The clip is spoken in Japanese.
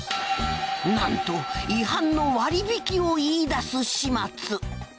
なんと違反の割り引きを言い出す始末。